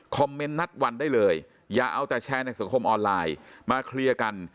เมนต์นัดวันได้เลยอย่าเอาแต่แชร์ในสังคมออนไลน์มาเคลียร์กัน